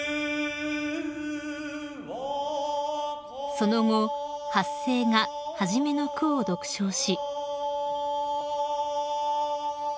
［その後発声が初めの句を独唱し］